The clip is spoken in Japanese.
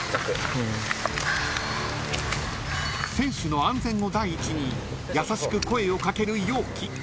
［選手の安全を第一に優しく声を掛ける陽希］